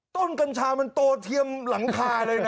กัญชามันโตเทียมหลังคาเลยนะ